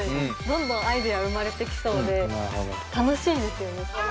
どんどんアイデア生まれてきそうで楽しいですよね。